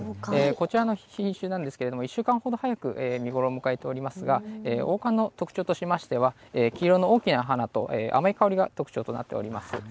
こちらの品種なんですけれども１週間ほど早く見頃を迎えておりますが黄冠の特徴としましては黄色の大きな花と甘い香りが特徴となっています。